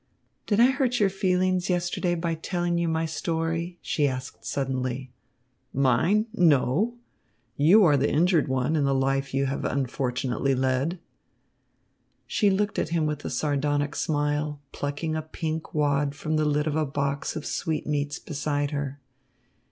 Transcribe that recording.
"Did I hurt your feelings yesterday by telling you my story?" she asked suddenly. "Mine? No! You are the injured one in the life you have unfortunately led." She looked at him with a sardonic smile, plucking a pink wad from the lid of a box of sweetmeats beside her.